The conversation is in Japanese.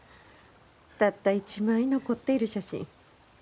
たった一枚残っている写真。